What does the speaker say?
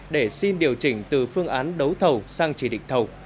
để xin điều chỉnh từ phương án đấu thầu sang chỉ định thầu